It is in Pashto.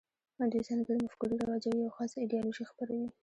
دوی ځانګړې مفکورې رواجوي او خاصه ایدیالوژي خپروي